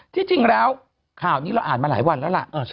ที่จริงแล้วข่าวนี้เราอ่านมาหลายวันแล้วล่ะ